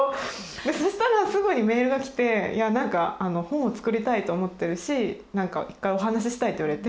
そしたらすぐにメールが来て「本を作りたいと思ってるし一回お話ししたい」と言われて。